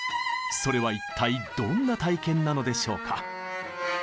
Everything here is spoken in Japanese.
それは一体どんな体験なのでしょうか。